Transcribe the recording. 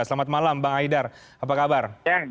selamat malam bang haidar apa kabar